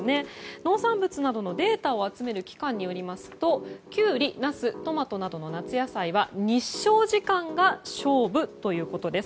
農産物のなどのデータを集める機関によりますとキュウリ、ナス、トマトなどの夏野菜は日照時間が勝負ということです。